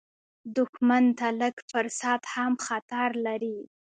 دښمن ته لږ فرصت هم خطر لري